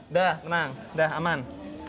udah tenang udah aman